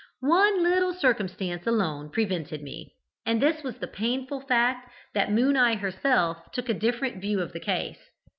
One little circumstance alone prevented me, and this was the painful fact that Moon eye herself took a different view of the case.